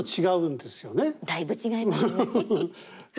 だいぶ違いますね。